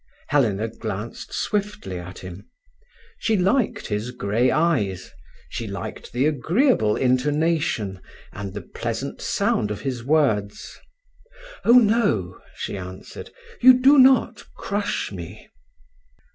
Helena glanced swiftly at him. She liked his grey eyes, she liked the agreeable intonation, and the pleasant sound of his words. "Oh no," she answered. "You do not crush me."